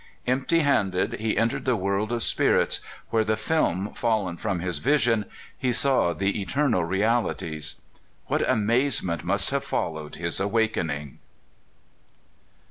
Empty handed he entered the world of spirits, where, the film fallen from his vision, he saw the eternal realities. What amazement must have followed his awaken ing